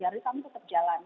jadi kami tetap jalan